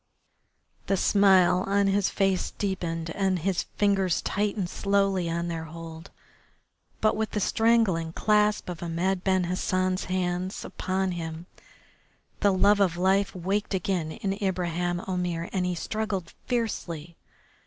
The smile on his face deepened and his fingers tightened slowly on their hold. But with the strangling clasp of Ahmed Ben Hassan's hands upon him the love of life waked again in Ibraheim Omair and he struggled fiercely.